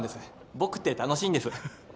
僕って楽しいんです。